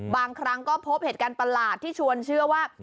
บางครั้งก็พบเหตุการณ์ประหลาดที่ชวนเชื่อว่า